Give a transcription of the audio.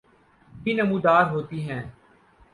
بھی نمودار ہوتی ہیں